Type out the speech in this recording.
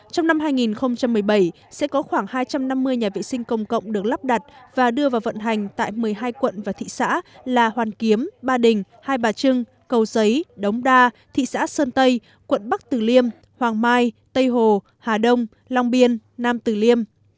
trong năm hai nghìn một mươi bảy sẽ có khoảng hai trăm năm mươi nhà vệ sinh công cộng được lắp đặt và đưa vào vận hành tại một mươi hai quận và thị xã là hoàn kiếm ba đình hai bà trưng cầu giấy đống đa thị xã sơn tây quận bắc tử liêm hoàng mai tây hồ hà đông long biên nam tử liêm